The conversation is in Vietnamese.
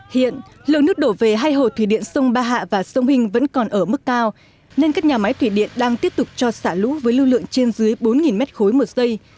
hiện lượng nước đổ về hai hồ thủy điện sông ba hạ và sông hình vẫn còn ở mức cao nên các nhà máy thủy điện đang tiếp tục cho xả lũ với lưu lượng trên dưới bốn mét khối một giây